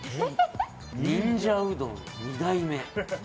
忍者うどん二代目。